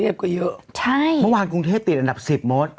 เมื่อวานกรุงเทพฯติดอันดับ๑๐โม้น